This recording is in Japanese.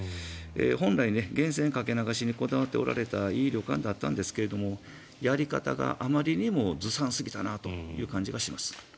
本来、源泉かけ流しにこだわっておられたいい旅館だったんですがやり方があまりにもずさんすぎたなという感じがします。